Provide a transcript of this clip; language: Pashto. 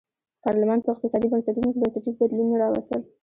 پارلمان په اقتصادي بنسټونو کې بنسټیز بدلونونه راوستل.